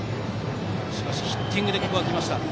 しかしヒッティングで行きました。